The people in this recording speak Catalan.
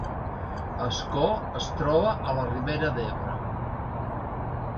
Ascó es troba a la Ribera d’Ebre